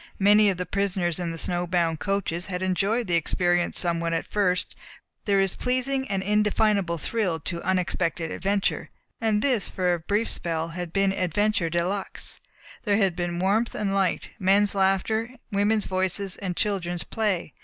Many of the prisoners in the snowbound coaches had enjoyed the experience somewhat at first, for there is pleasing and indefinable thrill to unexpected adventure, and this, for a brief spell, had been adventure de luxe. There had been warmth and light, men's laughter, women's voices, and children's play.